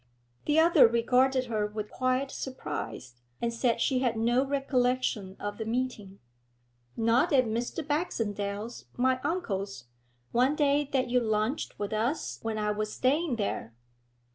The other regarded her with quiet surprise, and said she had no recollection of the meeting. 'Not at Mr. Baxendale's, my uncle's, one day that you lunched with us when I was staying there?'